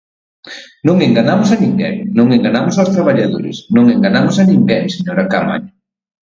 Non enganamos a ninguén, non enganamos aos traballadores; non enganamos a ninguén, señora Caamaño.